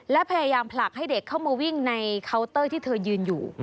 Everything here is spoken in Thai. และพยายามผลักให้เด็กเข้ามาวิ่งในเคาน์เตอร์ที่เธอยืนอยู่